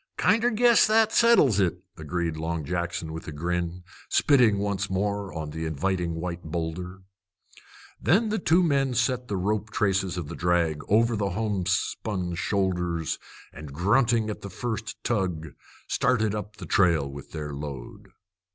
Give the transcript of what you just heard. "Kinder guess that settles it," agreed Long Jackson with a grin, spitting once more on the inviting white boulder. Then the two men set the rope traces of the drag over the homespun shoulders, and, grunting at the first tug, started up the trail with their load.